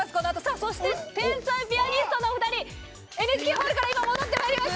そして、天才ピアニストのお二人ＮＨＫホールから今、戻ってまいりました！